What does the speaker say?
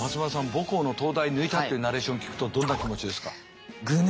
母校の東大抜いたっていうナレーション聞くとどんな気持ちですか？